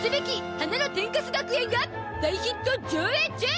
花の天カス学園』が大ヒット上映中！